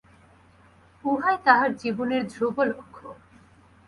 উহাই তাহার জীবনের ধ্রুব লক্ষ্য।